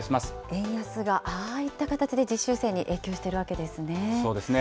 円安がああいった形で実習生に影響しているわけですね。